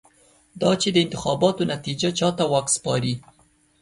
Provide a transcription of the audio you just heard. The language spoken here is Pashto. دا چې د انتخاباتو نتېجه چا ته واک سپاري.